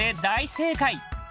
大正解！